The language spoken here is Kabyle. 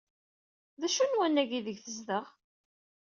D acu n wannag aydeg tezdeɣ?